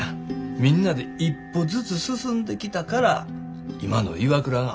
みんなで一歩ずつ進んできたから今のＩＷＡＫＵＲＡがあんねん。